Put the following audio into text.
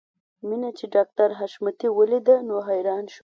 مينه چې ډاکټر حشمتي وليده نو حیران شو